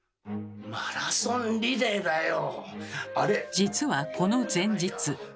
実はこの前日。